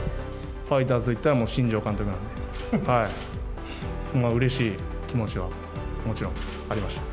ファイターズといったらもう、新庄監督なので、うれしい気持ちはもちろんありました。